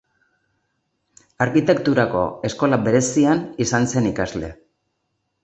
Arkitekturako eskola berezian izan zen ikasle.